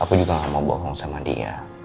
aku juga gak mau bohong sama dia